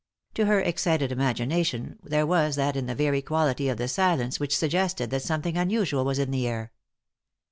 To her excited imagi nation there was that in the very quality of the silence which suggested that something unusual was in the air.